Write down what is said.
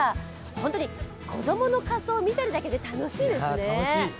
本当に子供の仮装を見ているだけで楽しいですね。